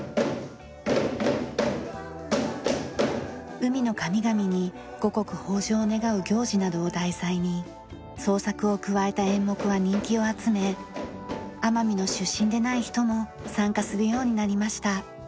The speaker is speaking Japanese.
海の神々に五穀豊穣を願う行事などを題材に創作を加えた演目は人気を集め奄美の出身でない人も参加するようになりました。